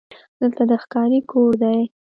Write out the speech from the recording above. دلته د ښکاري کور دی: